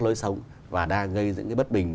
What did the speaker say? lối sống và đang gây những cái bất bình